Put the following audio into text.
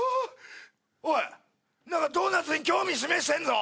おい何かドーナツに興味示してんぞ。